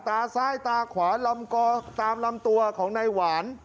ตาซ้ายตาขวาลำกอตามลำตัวของนายหวาน